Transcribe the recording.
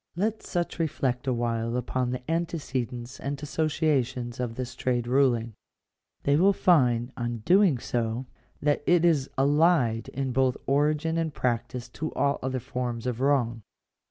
Let such reflect awhile upon the antecedents and associations of this trade ruling. They will find, on doing so, that it is allied in both origin and practice to all other forms of wrong.